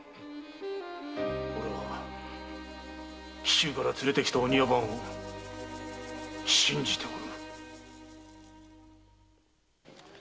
俺は紀州から連れてきたお庭番を信じておる。